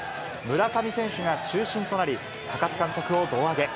村上選手が中心となり、高津監督を胴上げ。